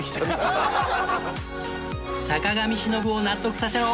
坂上忍を納得させろ！